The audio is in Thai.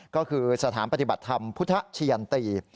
ก็คือสถานปฏิบัติธรรมพุทธชะยันตี